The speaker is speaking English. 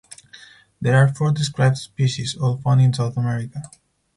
There are four described species, all found in South America.